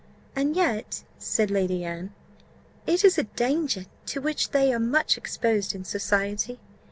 "And yet," said Lady Anne, "it is a danger to which they are much exposed in society.